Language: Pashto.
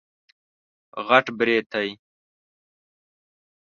غټ برېتی